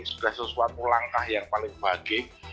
sudah sesuatu langkah yang paling baik